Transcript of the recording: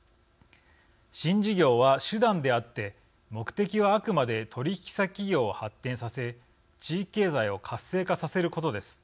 新事業は手段であって目的はあくまで取引先企業を発展させ地域経済を活性化させることです。